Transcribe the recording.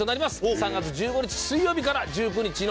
３月１５日水曜日から１９日の日曜まで。